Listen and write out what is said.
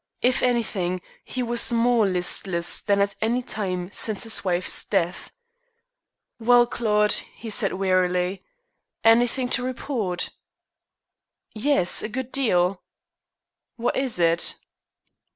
If anything, he was more listless than at any time since his wife's death. "Well, Claude," he said wearily, "anything to report?" "Yes, a good deal." "What is it?"